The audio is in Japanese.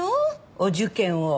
お受験を。